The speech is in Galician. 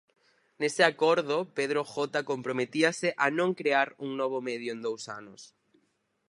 Nese acordo Pedro Jota comprometíase a non crear un novo medio en dous anos.